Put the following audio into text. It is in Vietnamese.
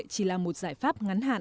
chỉ là một giải pháp ngắn hạn